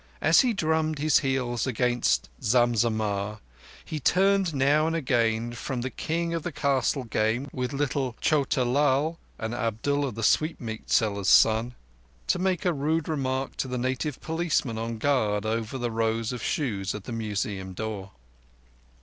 As he drummed his heels against Zam Zammah he turned now and again from his king of the castle game with little Chota Lal and Abdullah the sweetmeat seller's son, to make a rude remark to the native policeman on guard over rows of shoes at the Museum door.